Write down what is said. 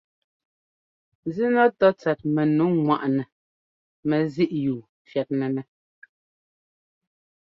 Zínɛtɔ́ tsɛt mɛnu ŋwaꞌnɛ mɛzíꞌyúu fyɛ́tnɛ́nɛ́.